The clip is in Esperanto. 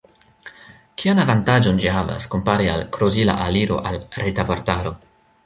Kian avantaĝon ĝi havas kompare al krozila aliro al Reta Vortaro?